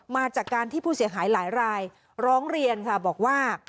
มาจากการที่ผู้เสียหายหลายรายร้องเรียนค่ะบอกว่า